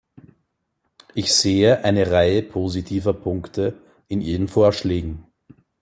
Ich sehe eine Reihe positiver Punkte in Ihren Vorschlägen.